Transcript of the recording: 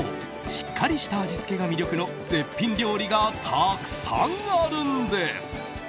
しっかりした味付けが魅力の絶品料理がたくさんあるんです。